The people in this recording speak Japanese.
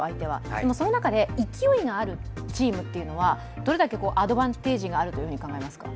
でも、その中で勢いがあるチームというのはどれだけアドバンテージがあると考えますか？